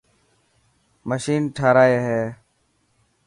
مشين ٺارائي هي.